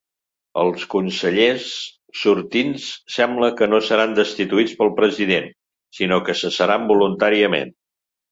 Els consellers sortints sembla que no seran destituïts pel president, sinó que cessaran voluntàriament.